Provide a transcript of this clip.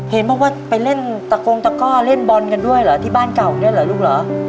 เห็นบอกว่าไปเล่นตะโกงตะก้อเล่นบอลกันด้วยเหรอที่บ้านเก่าเนี่ยเหรอลูกเหรอ